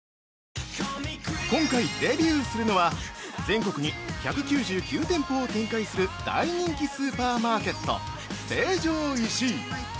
◆今回、デビューするのは全国に１９９店舗を展開する大人気スーパーマーケット成城石井。